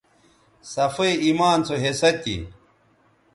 صفائ ایمان سو حصہ تھی